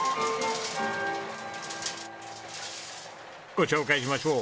ご紹介しましょう。